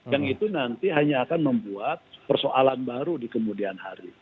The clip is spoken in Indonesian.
yang itu nanti hanya akan membuat persoalan baru di kemudian hari